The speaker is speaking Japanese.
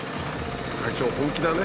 会長本気だね。